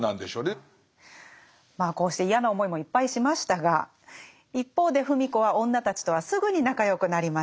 まあこうして嫌な思いもいっぱいしましたが一方で芙美子は女たちとはすぐに仲良くなりました。